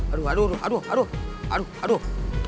aduh aduh aduh aduh aduh